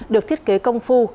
được thiết kế công phu